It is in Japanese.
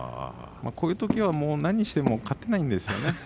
こういうときは何しても勝てないんですよね。